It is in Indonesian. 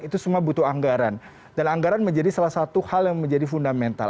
itu semua butuh anggaran dan anggaran menjadi salah satu hal yang menjadi fundamental